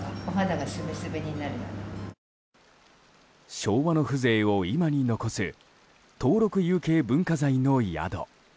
昭和の風情を今に残す登録有形文化財の宿。